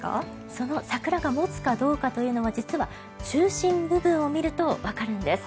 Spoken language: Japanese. その桜が持つかどうかというのは実は、中心部分を見るとわかるんです。